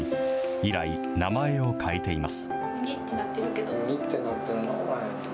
以来、名前を変えています。